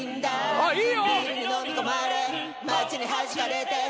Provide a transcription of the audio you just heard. ・あっいい！